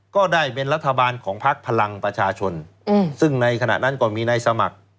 ก็ได้เป็นรัฐบาลของพักพลังประชาชนซึ่งในขณะนั้นก็มีนายสมัคร